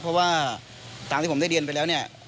เพราะว่าทางที่ผมได้เรียนไปแล้ว